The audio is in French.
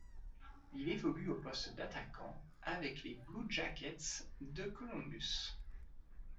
Il évolue au poste d'attaquant avec les Blue Jackets de Columbus.